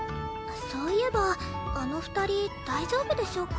そういえばあの２人大丈夫でしょうか？